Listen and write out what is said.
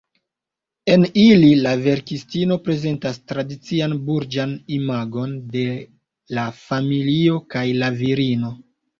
En ili la verkistino prezentas tradician burĝan imagon de la familio kaj la virino.